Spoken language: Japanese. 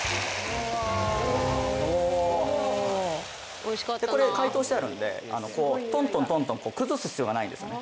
おおでこれ解凍してあるのであのこうトントントントン崩す必要がないんですよね